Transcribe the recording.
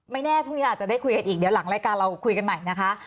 แน่พรุ่งนี้อาจจะได้คุยกันอีกเดี๋ยวหลังรายการเราคุยกันใหม่นะคะ